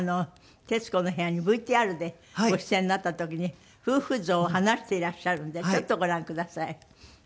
『徹子の部屋』にＶＴＲでご出演になった時に夫婦像を話していらっしゃるんでちょっとご覧ください。